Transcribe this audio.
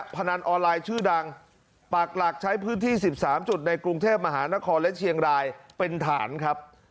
พนันออนไลน์ชื่อดังปากหลักใช้พื้นที่๑๓จุดในกรุงเทพมหานครและเชียงรายเป็นฐานครับ